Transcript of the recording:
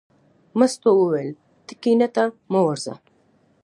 مستو وویل: ته کېنه ته مه ورځه.